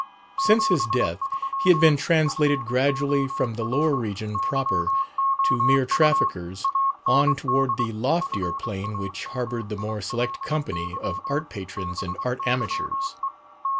Since his death he had been translated gradually from the lower region proper to mere traffickers on toward the loftier plane which harbored the more select company of art patrons and art amateurs.